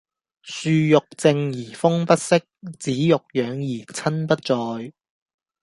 樹欲靜而風不息，子欲養而親不在